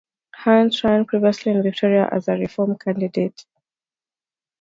Hunt ran previously in Victoria as a Reform candidate.